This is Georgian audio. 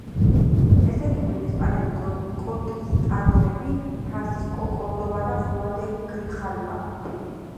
ესენი იყვნენ ესპანელი კონკისტადორები ფრანსისკო კორდოვა და ხუან დე გრიხალვა.